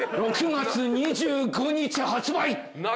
６月２５日発売！